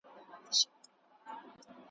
رنګین الفاظ یې رخت و زېور دی `